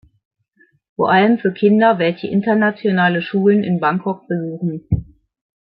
Vor allem für Kinder welche Internationale Schulen in Bangkok besuchen.